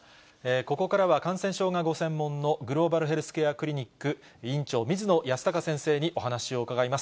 ここからは、感染症がご専門の、グローバルヘルスケアクリニック院長、水野泰孝先生にお話を伺います。